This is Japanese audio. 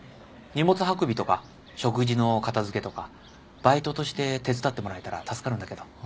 荷物運びとか食事の片付けとかバイトとして手伝ってもらえたら助かるんだけど。